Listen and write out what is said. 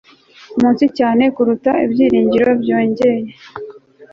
munsi cyane kuruta ibyiringirobyongeye